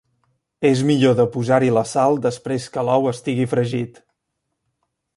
És millor de posar-hi la sal després que l'ou estigui fregit.